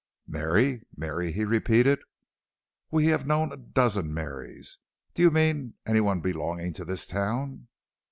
"Mary? Mary?" he repeated, "we have known a dozen Marys. Do you mean any one belonging to this town?"